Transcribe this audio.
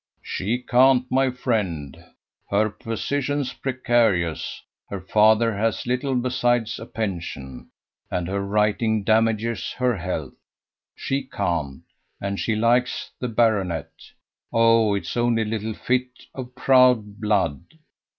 "She can't, my friend. Her position's precarious; her father has little besides a pension. And her writing damages her health. She can't. And she likes the baronet. Oh, it's only a little fit of proud blood.